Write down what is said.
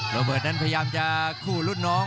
โรเบิร์ตนั้นพยายามจะคู่รุ่นน้อง